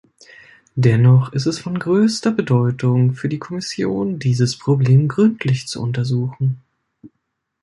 Dennoch ist es von größter Bedeutung für die Kommission, dieses Problem gründlich zu untersuchen.